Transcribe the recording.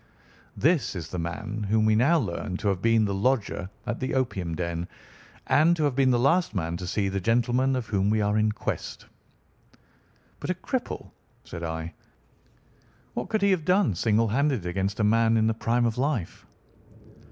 This is the man whom we now learn to have been the lodger at the opium den, and to have been the last man to see the gentleman of whom we are in quest." "But a cripple!" said I. "What could he have done single handed against a man in the prime of life?"